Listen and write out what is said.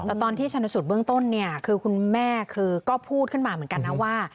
แต่ตอนที่ชนสูตรเบื้องต้นเนี่ยคือคุณแม่คือก็พูดขึ้นมาเหมือนกันนะว่า